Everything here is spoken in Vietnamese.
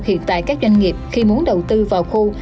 hiện tại các doanh nghiệp khi muốn đầu tư vào khu